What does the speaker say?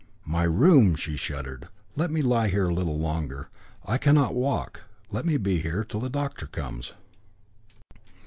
"My room!" she shuddered. "Let me lie here a little longer. I cannot walk. Let me be here till the doctor comes."